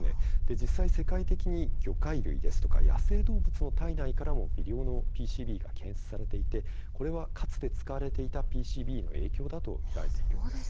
実際、世界的に魚介類ですとか野生動物の体内からも微量のＰＣＢが検出されていてこれはかつて使われていたＰＣＢの影響だと見られているんです。